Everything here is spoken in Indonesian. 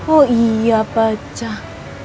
oh iya pecah